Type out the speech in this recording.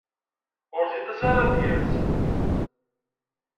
Ur tiṭ-is ara ad d-yas.